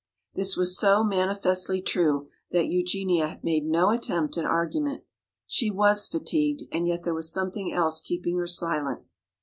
This was so manifestly true that Eugenia made no attempt at argument. She was fatigued, and yet there was something else keeping her silent.